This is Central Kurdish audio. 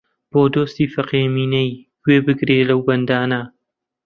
بۆ دۆستی فەقێ مینەی گوێ بگرێ لەو بەندانە